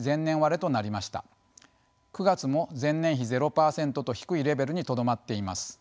９月も前年比０％と低いレベルにとどまっています。